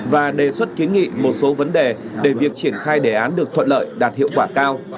và đề xuất kiến nghị một số vấn đề để việc triển khai đề án được thuận lợi đạt hiệu quả cao